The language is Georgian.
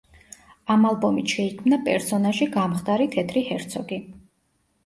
ამ ალბომით შეიქმნა პერსონაჟი „გამხდარი თეთრი ჰერცოგი“.